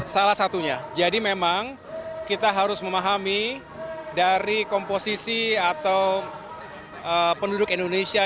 salah satunya jadi memang kita harus memahami dari komposisi atau penduduk indonesia